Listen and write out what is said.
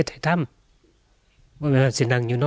ความให้ไปดี